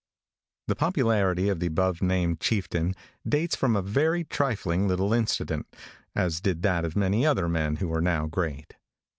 |THE popularity of the above named chieftain dates from a very trifling little incident, as did that of many other men who are now great.